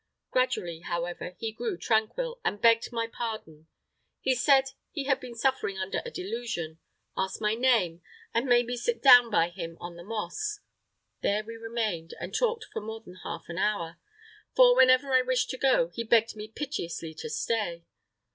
Gradually, however, he grew tranquil, and begged my pardon. He said he had been suffering under a delusion, asked my name, and made me sit down by him on the moss. There we remained, and talked for more than half an hour; for, whenever I wished to go, he begged me piteously to stay.